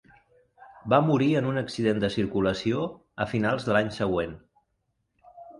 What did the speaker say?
Va morir en un accident de circulació a finals de l'any següent.